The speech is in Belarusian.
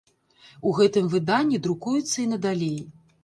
У гэтым выданні друкуецца і надалей.